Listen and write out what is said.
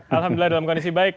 alhamdulillah dalam kondisi baik